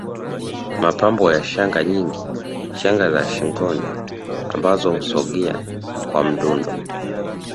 Mapambo ya shanga nyingi shanga za shingoni ambazo husogea kwa mdundo